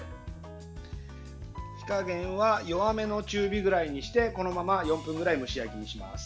火加減は弱めの中火ぐらいにしてこのまま４分くらい蒸し焼きにします。